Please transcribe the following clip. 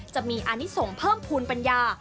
จะมีอานิสงฆ์เพิ่มภูมิปัญญา